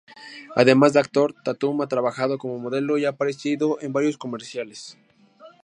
Además de actor, Tatum ha trabajado como modelo y ha aparecido en varios comerciales.